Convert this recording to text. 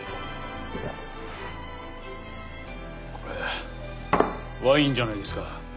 これワインじゃないですか。